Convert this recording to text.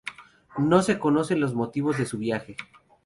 No se conocen los motivos de su viaje.